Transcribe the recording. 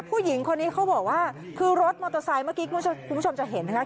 ผู้หญิงคนนี้เขาบอกว่าคือรถมอเตอร์ไซค์เมื่อกี้คุณผู้ชมจะเห็นนะคะ